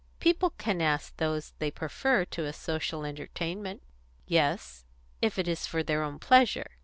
People can ask those they prefer to a social entertainment." "Yes if it is for their own pleasure."